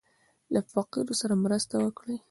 له فقير سره مرسته وکړه.